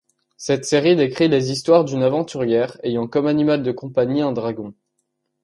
Cette série décrit les histoires d'une aventurière ayant comme animal de compagnie un dragon.